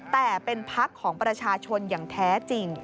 แต่เป็นพักของประชาชนอย่างแท้จริง